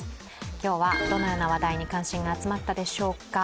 今日はどのような話題に関心が集まったでしょうか。